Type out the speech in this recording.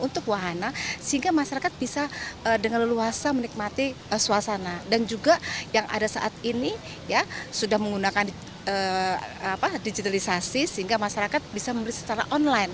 tmii ini sudah menggunakan digitalisasi sehingga masyarakat bisa memberi secara online